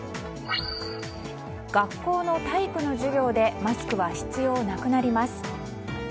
学校の体育の授業でマスクは必要なくなります。